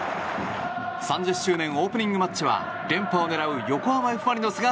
３０周年オープニングマッチは連覇を狙う横浜Ｆ・マリノスが